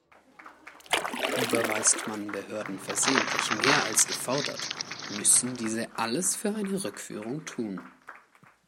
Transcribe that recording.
Überweist man Behörden versehentlich mehr als gefordert, müssen diese alles für eine Rückführung tun.